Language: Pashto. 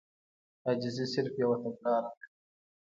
عاجزي صرف يوه تګلاره ده.